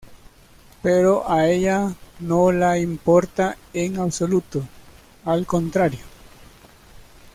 Pero a ella no la importa en absoluto, al contrario.